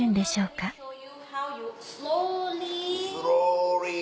スローリー。